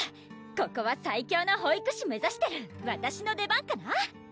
ここは最強の保育士目指してるわたしの出番かな！